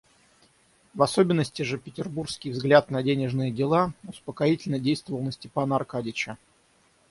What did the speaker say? В особенности же петербургский взгляд на денежные дела успокоительно действовал на Степана Аркадьича.